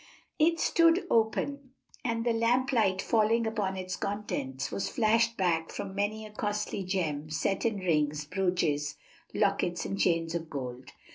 It stood open, and the lamplight falling upon its contents was flashed back from many a costly gem set in rings, brooches, lockets and chains of gold.